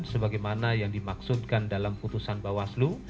sebagaimana yang dimaksudkan dalam putusan bawaslu